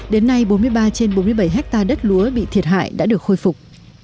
đến nay bốn mươi ba trên bốn mươi bảy hectare đất lúa bị thiệt hại đã được khôi phục